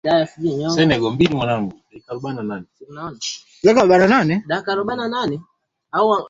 ni mshukumo wa kuendeleza kwa kulijenga taifa thabiti